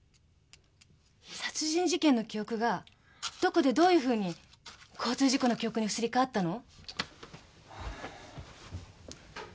殺人事件の記憶がどこでどういうふうに交通事故の記憶にすり替わったの？